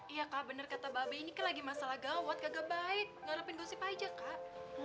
iya kak bener kata babi ini lagi masalah gawat kagak baik ngarepin gosip aja kak